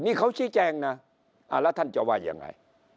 นี่เขาชี้แจงนะแล้วท่านจะว่ายังไง